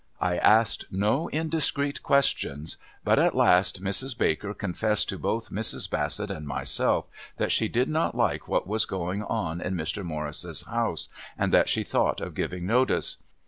"I asked no indiscreet questions, but at last Mrs. Baker confessed to both Mrs. Bassett and myself that she did not like what was going on in Mr. Morris's house, and that she thought of giving notice.